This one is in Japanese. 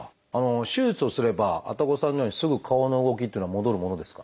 手術をすれば愛宕さんのようにすぐ顔の動きっていうのは戻るものですか？